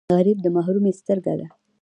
غریب د محرومۍ سترګه ده